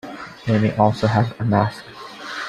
They may also have a mask.